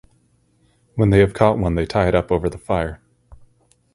When they have caught one they tie it up over the fire.